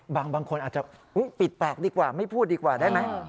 บางคนอาจจะปิดปากดีกว่าไม่พูดดีกว่าได้ไหม